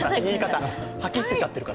吐き捨てちゃってるから。